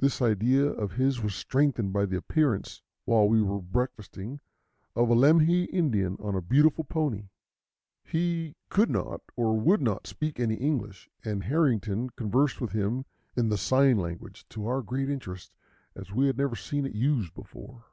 This idea of his was strengthened by the appearance, while we were breakfasting, of a Lemhi Indian on a beautiful pony. He could not or would not speak any English, and Harrington conversed with him in the sign language, to our great interest, as we had never seen it used before.